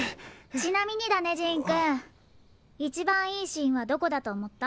ちなみにだねジーンくんいちばんいいシーンはどこだとおもった？